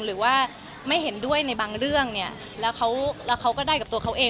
หรือว่าไม่เห็นด้วยในบางเรื่องเนี่ยแล้วเขาก็ได้กับตัวเขาเอง